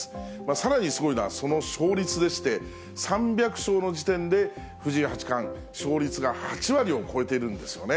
さらにすごいのはその勝率でして、３００勝の時点で藤井八冠、勝率が８割を超えているんですよね。